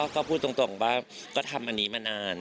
ก็พูดตรงว่าก็ทำอันนี้มานาน